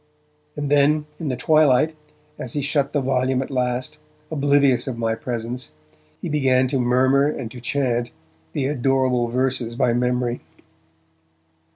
And then, in the twilight, as he shut the volume at last, oblivious of my presence, he began to murmur and to chant the adorable verses by memory.